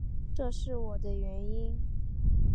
这是我的原因